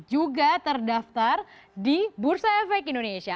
juga terdaftar di bursa efek indonesia